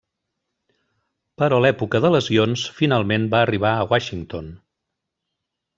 Però l'època de lesions finalment va arribar a Washington.